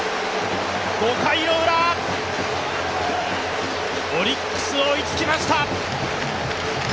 ５回ウラ、オリックス追いつきました。